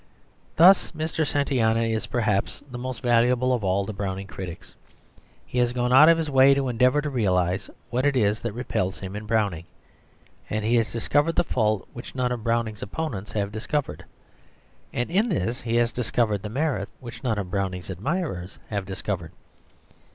Thus, Mr. Santayana is, perhaps, the most valuable of all the Browning critics. He has gone out of his way to endeavour to realise what it is that repels him in Browning, and he has discovered the fault which none of Browning's opponents have discovered. And in this he has discovered the merit which none of Browning's admirers have discovered.